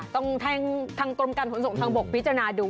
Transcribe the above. ทางกรมการขนส่งทางบกพิจารณาดู